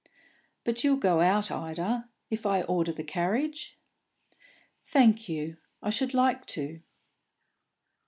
"But you'll go out, Ida, if I order the carriage?" "Thank you, I should like to."